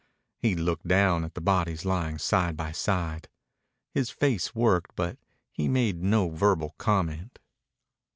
He looked down at the bodies lying side by side. His face worked, but he made no verbal comment.